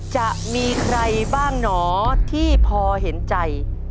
จะมีใครบ้างหนอที่พอเห็นใจ